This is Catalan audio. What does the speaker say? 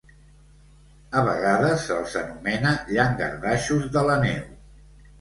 A vegades se'ls anomena llangardaixos de la neu.